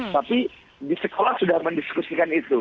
tapi di sekolah sudah mendiskusikan itu